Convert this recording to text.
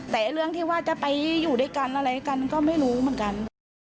แต่เรื่องที่ว่าจะไปอยู่ด้วยกันอะไรกันก็ไม่รู้เหมือนกัน